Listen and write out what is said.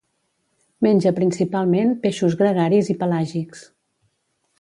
Menja principalment peixos gregaris i pelàgics.